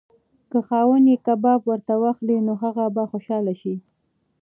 که خاوند یې کباب ورته واخلي نو هغه به خوشحاله شي.